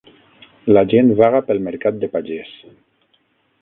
La gent vaga pel mercat de pagès.